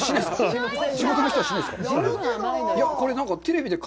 地元の人はしないんですか。